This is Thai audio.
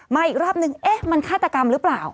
มาอีกรอบนึงมันฆ่าตกรรมรึเปล่า